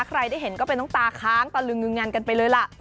ใครได้เห็นก็เป็นน้ำตาค้างตะลึงงึงงันกันไปเลยล่ะ